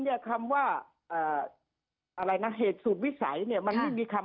เนี่ยคำว่าเอ่ออะไรนะเหตุสูตรวิสัยเนี่ยมันไม่มีคำ